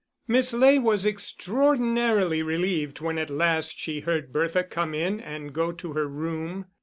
Miss Ley was extraordinarily relieved when at last she heard Bertha come in and go to her room.